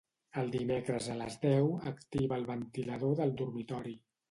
Els dimecres a les deu activa el ventilador del dormitori.